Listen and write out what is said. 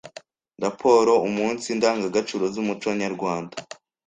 Raporo umunsi ndangagaciro z’umuco nyarwanda